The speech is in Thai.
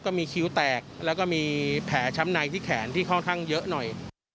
คิ้วแตกแล้วก็มีแผลช้ำในที่แขนที่ค่อนข้างเยอะหน่อย